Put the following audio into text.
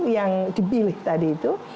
yang dibilih tadi itu